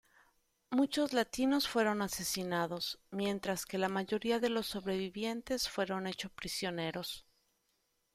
Muchos latinos fueron asesinados, mientras que la mayoría de los sobrevivientes fueron hechos prisioneros.